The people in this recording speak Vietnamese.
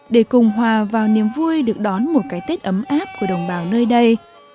để cùng hòa vào niềm vui được đón một cái tết ấm áp của đồng bào nơi đây